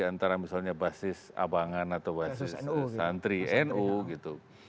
antara misalnya basis abangan atau basis santri nu gitu